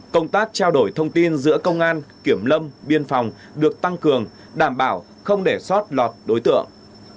công tác trao đổi thông tin giữa công an kiểm lâm biên phòng được tăng cường đảm bảo không để sót lọt đối tượng